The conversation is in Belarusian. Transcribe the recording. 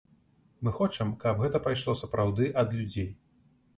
Мы хочам, каб гэта пайшло сапраўды ад людзей.